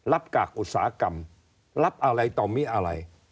กากอุตสาหกรรมรับอะไรต่อมิอะไร